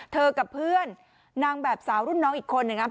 กับเพื่อนนางแบบสาวรุ่นน้องอีกคนหนึ่งครับ